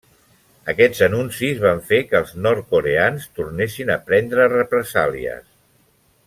Aquests anuncis van fer que els nord-coreans tornessin a prendre represàlies.